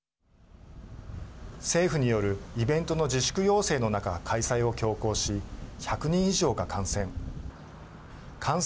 政府によるイベントの自粛要請の中開催を強行し１００人以上が感染。